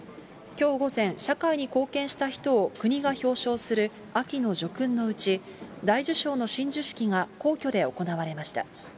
きょう午前、社会に貢献した人を国が表彰する秋の叙勲のうち、大綬章の親授式が皇居で行われました。